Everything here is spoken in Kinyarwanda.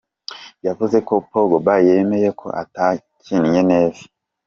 Yavuze ko Pogba "yemeye ko atakinye neza".